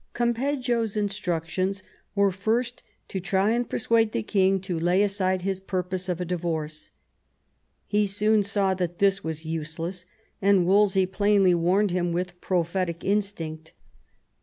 Cam peggio's instructions were first to try and persuade the king to lay aside his purpose of a divorce. He soon saw that ihis was useless, and Wolsey plainly warned him with prophetic instinct.